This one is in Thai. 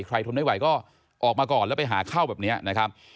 ทนไม่ไหวก็ออกมาก่อนแล้วไปหาเข้าแบบนี้นะครับ